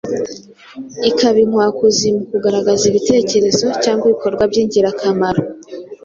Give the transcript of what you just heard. ikaba inkwakuzi mu kugaragaza ibitekerezo cyangwa ibikorwa by’ingirakamaro